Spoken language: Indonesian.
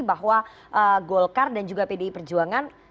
bahwa golkar dan juga pdi perjuangan